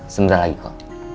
sebentar lagi kok